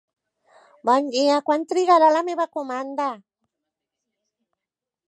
Bon dia, quant trigarà la meva comanda?